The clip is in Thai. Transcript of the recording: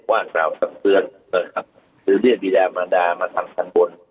ว่าเกลาศัพท์เปื้อนน่ะครับศือเรียนอ่านวัฒนามาร์ดามาทำสั้นบน